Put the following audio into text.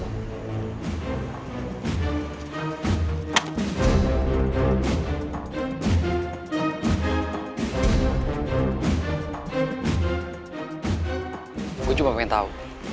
gua cuma pengen tau